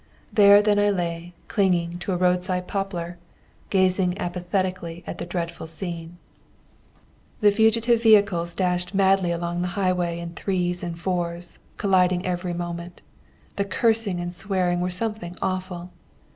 There then I lay clinging to a roadside poplar, gazing apathetically at the dreadful scene. The fugitive vehicles dashed madly along the highway in threes and fours, colliding every moment. The cursing and swearing were something awful.